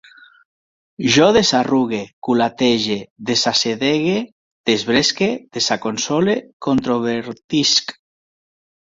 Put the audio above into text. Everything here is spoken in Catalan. Jo desarrugue, culatege, desassedegue, desbresque, desaconsole, controvertisc